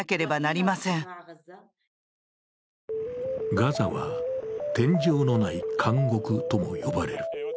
ガザは、天井のない監獄とも呼ばれる。